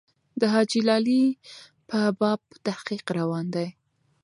د حاجي لالي په باب تحقیق روان دی.